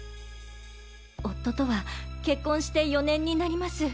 夫とは結婚して４年になります。